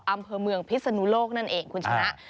อำเภอเมืองพิศนุโลกนั่นเองคุณชนะ